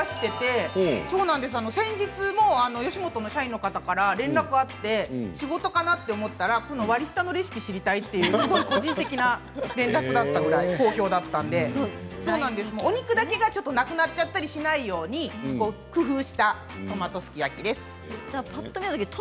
先日、吉本の社員の方から連絡があって仕事かなと思ったら割り下のレシピが知りたいと個人的な連絡があったくらい好評だったんでお肉だけがなくなったりしないように工夫したトマトすき焼きです。